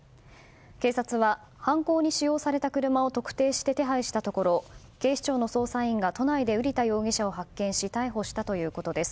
警察は犯行に使用された車を特定して手配したところ警視庁の捜査員が都内で瓜田容疑者を発見し逮捕したということです。